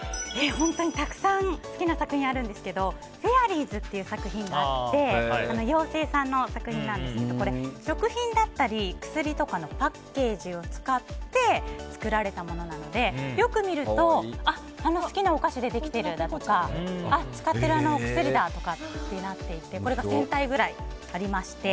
本当にたくさん好きな作品があるんですけど「フェアリーズ」という作品があって妖精さんの作品なんですけど食品だったり薬とかのパッケージを使って作られたものなのでよく見ると、あの好きなお菓子でできてるんだとか使ってるあのお薬だとなっていてこれが１０００体くらいありまして。